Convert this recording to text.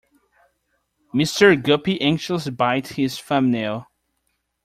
Mr. Guppy anxiously bites his thumb-nail.